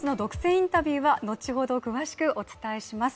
インタビューは後ほど詳しくお伝えします